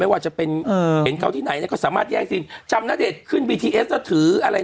ว่าจะเป็นเห็นเขาที่ไหนเนี่ยก็สามารถแย่งซีนจำณเดชน์ขึ้นบีทีเอสแล้วถืออะไร